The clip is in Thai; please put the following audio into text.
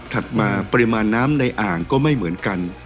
มาปริมาณน้ำในอ่างก็ไม่เหมือนกัน